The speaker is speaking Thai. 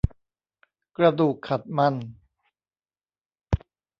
กระดูกขัดมัน